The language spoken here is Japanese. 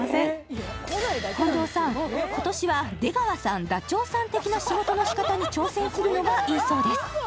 今年は出川さんダチョウさん的な仕事の仕方に挑戦するのがいいそうです